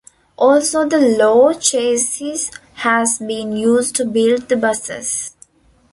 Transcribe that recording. Also the low chassis has been used to build the buses.